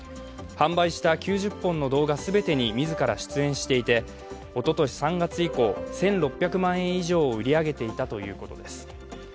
販売した９０本の動画全てに自ら出演していて、おととし３月以降、１６００万円以上を売り上げていたということです。